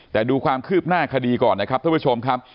แต่ดูความคืบหน้าคดีก่อนนะครับท่านผู้ชมครับ